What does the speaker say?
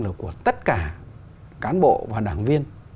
là của tất cả cán bộ và đảng viên